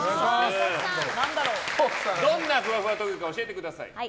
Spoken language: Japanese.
どんなふわふわ特技か教えてください。